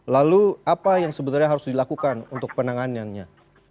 lalu apa yang sebenarnya harus dilakukan untuk penanganannya